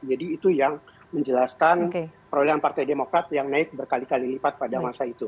jadi itu yang menjelaskan prolean partai demokrat yang naik berkali kali lipat pada masa itu